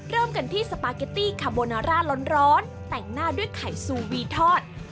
เริ่มกันที่สปาเกตตี้คาโบนาร่าร้อนแต่งหน้าด้วยไข่ซูวีทอด